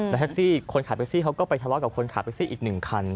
และแท็กซี่คนขับแท็กซี่เขาก็ไปทะเลาะกับคนขับแท็กซี่อีก๑คัน